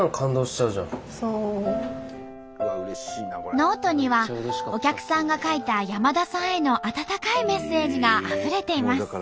ノートにはお客さんが書いた山田さんへの温かいメッセージがあふれています。